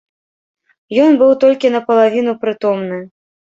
Ён быў толькі напалавіну прытомны.